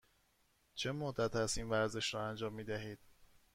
چه مدت است این ورزش را انجام می دهید؟